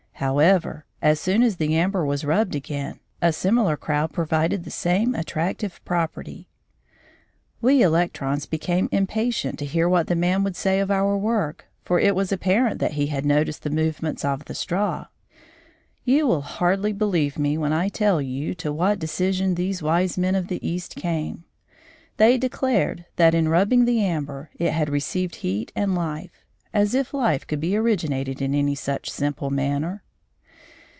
However, as soon as the amber was rubbed again, a similar crowd provided the same attractive property. We electrons became impatient to hear what man would say of our work, for it was apparent that he had noticed the movements of the straw. You will hardly believe me when I tell you to what decision these wise men of the East came. They declared that, in rubbing the amber, it had received heat and life. As if life could be originated in any such simple manner!